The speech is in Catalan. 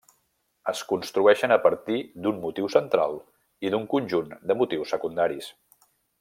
Es construeixen a partir d'un motiu central i d'un conjunt de motius secundaris.